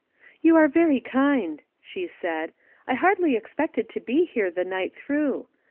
"You are very kind," she said. "I hardly expected to be here the night through.